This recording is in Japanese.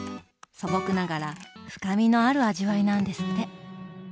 素朴ながら深みのある味わいなんですって。